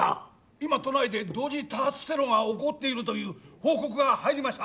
今都内で同時多発テロが起こっているという報告が入りました